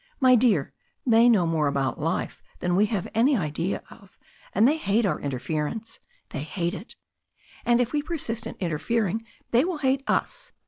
My dear, they know more about life than we have any idea of, and they hate our interference. They hate it. And if we persist in interfering they will hate us.